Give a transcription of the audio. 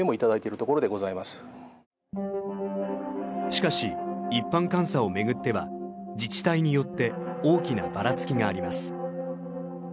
しかし一般監査を巡っては自治体によって大きなバラつきがあります。